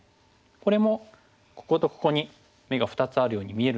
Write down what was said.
これもこことここに眼が２つあるように見えるんですね。